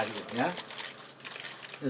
ini saya ingin tahu